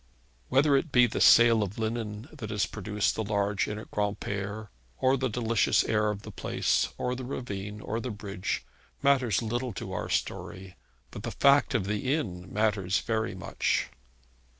Whether it be the sale of linen that has produced the large inn at Granpere, or the delicious air of the place, or the ravine and the bridge, matters little to our story; but the fact of the inn matters very much.